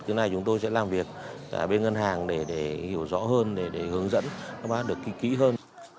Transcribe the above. cái này chúng tôi sẽ làm việc cả bên ngân hàng để hiểu rõ hơn để hướng dẫn các bác được kỹ hơn